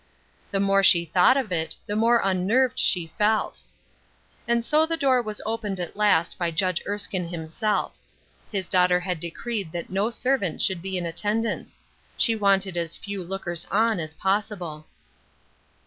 The more she thought of it, the more unnerved she felt. And so the door was opened at last by Judge Erskine himself. His daughter had decreed that no servant should be in attendance. She wanted as few lookers on as possible.